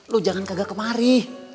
lo jangan kagak kemari